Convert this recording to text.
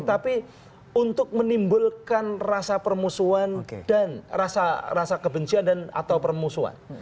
tapi untuk menimbulkan rasa permusuhan dan rasa kebencian atau permusuhan